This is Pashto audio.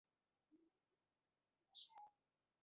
پر دې سربېره جنګي کلا هم ځينې مصارف لري.